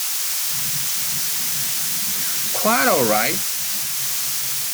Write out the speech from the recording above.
Quite all right.